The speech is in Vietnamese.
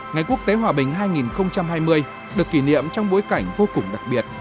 ngày quốc tế hòa bình hai nghìn hai mươi được kỷ niệm trong bối cảnh vô cùng đặc biệt